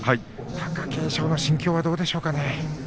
貴景勝の心境はどうでしょうかね。